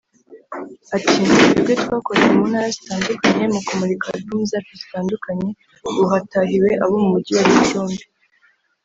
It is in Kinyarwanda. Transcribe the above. Ati “Twebwe twakoreye mu ntara zitandukanye mu kumurika album zacu zitandukanye ubu hatahiwe abo mu Mujyi wa Gicumbi